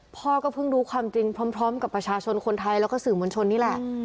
พ่อก็เพิ่งรู้ความจริงพร้อมกับประชาชนคนไทยแล้วก็สื่อมวลชนนี่แหละ